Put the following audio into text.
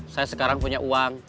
saya sekarang punya uang